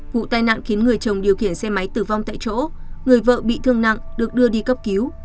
vụ tai nạn khiến người chồng điều khiển xe máy tử vong tại chỗ người vợ bị thương nặng được đưa đi cấp cứu